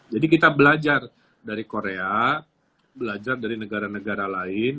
jadi kita belajar dari korea belajar dari negara negara lain